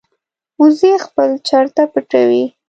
وزې خپل چرته پټوي